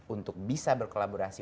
untuk bisa berkolaborasi